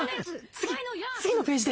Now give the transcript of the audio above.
次次のページで。